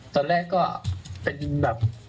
ตอนแรกก็เป็นแบบ